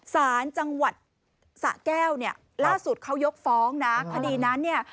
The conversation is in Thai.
สารจังหวัดสะแก้วเนี่ยล่าสุดเขายกฟ้องนะคดีนั้นเนี่ย